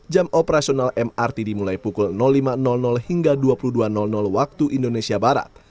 jam operasional mrt dimulai pukul lima hingga dua puluh dua waktu indonesia barat